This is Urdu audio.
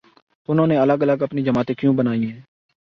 تو انہوں نے الگ الگ اپنی جماعتیں کیوں بنائی ہیں؟